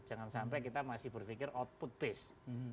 jangan sampai kita masih berpikir output base